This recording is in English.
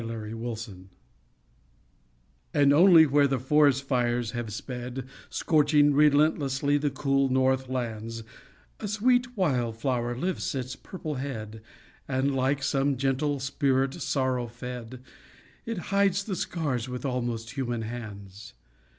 FIRE FLOWERS And only where the forest fires have sped, Scorching relentlessly the cool north lands, A sweet wild flower lifts its purple head, And, like some gentle spirit sorrow fed, It hides the scars with almost human hands.